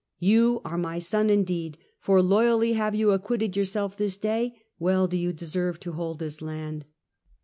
You are my son indeed, for loyally have you acquitted yourself this day ; well do you deserve to hold this land."